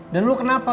dan lo kenapa